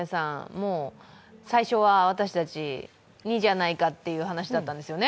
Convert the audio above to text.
もう、最初は私たち、２じゃないかっていう話だったんですよね。